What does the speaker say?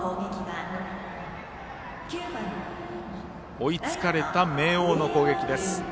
追いつかれた明桜の攻撃です。